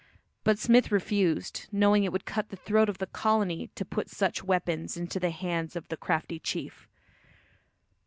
But Smith refused, knowing it would cut the throat of the colony to put such weapons into the hands of the crafty chief.